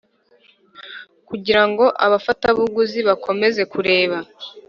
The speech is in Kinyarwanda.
kugira ngo abafatabuguzi bakomeze kureba.